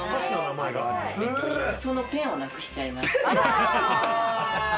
そのペンをなくしちゃいました。